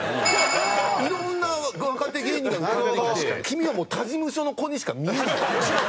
いろんな若手芸人が浮かんできて君はもう他事務所の子にしか見えない。